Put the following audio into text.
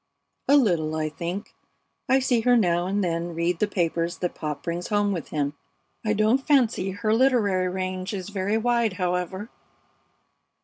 "A little, I think. I see her now and then read the papers that Pop brings home with him. I don't fancy her literary range is very wide, however."